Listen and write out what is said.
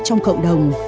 trong cộng đồng